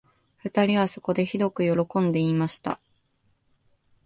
二人はそこで、ひどくよろこんで言いました